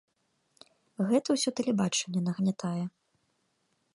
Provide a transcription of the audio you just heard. Гэта ўсё тэлебачанне нагнятае.